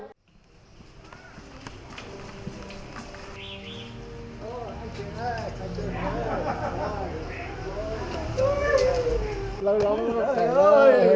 trời ơi làm nhiều lâu rồi